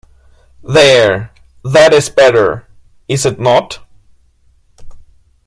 There, that is better, is it not?